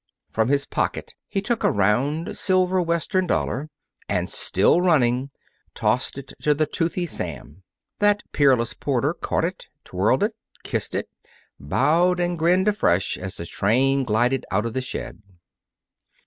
From his pocket he took a round, silver Western dollar and, still running, tossed it to the toothy Sam. That peerless porter caught it, twirled it, kissed it, bowed, and grinned afresh as the train glided out of the shed.